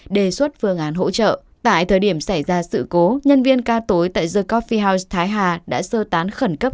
đề xuất phương án hỗ trợ tại thời điểm xảy ra sự cố nhân viên ca tối tại the coffee house thái hà đã sơ tán khẩn cấp